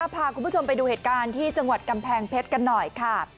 พาคุณผู้ชมไปดูเหตุการณ์ที่จังหวัดกำแพงเพชรกันหน่อยค่ะ